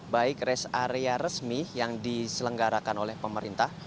baik res area resmi yang diselenggarakan oleh pemerintah